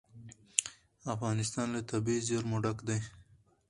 افغانستان له طبیعي زیرمې ډک دی.